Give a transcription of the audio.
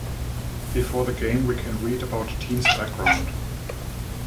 Before the game we can read about teams background.